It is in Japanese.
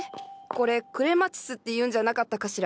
これ「クレマチス」っていうんじゃなかったかしら？